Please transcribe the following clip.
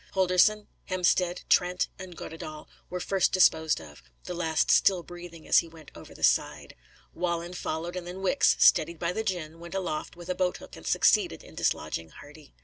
Holdorsen, Hemstead, Trent, and Goddedaal were first disposed of, the last still breathing as he went over the side; Wallen followed; and then Wicks, steadied by the gin, went aloft with a boathook and succeeded in dislodging Hardy.